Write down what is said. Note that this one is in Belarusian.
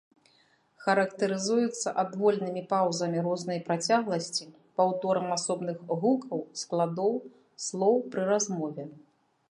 Характарызуецца адвольнымі паўзамі рознай працягласці паўторам асобных гукаў, складоў, слоў пры размове.